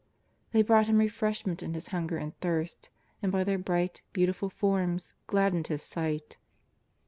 They brought Him refreshment in His hunger and thirst, and by their bright, beautiful forms gladdened His sight.